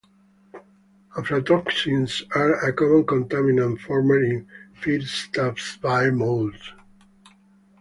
Aflatoxins are a common contaminant formed in feedstuffs by moulds.